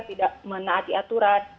tidak menaati aturan